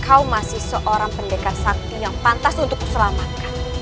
kau masih seorang pendekat sakti yang pantas untuk selamatkan tapi ternyata kau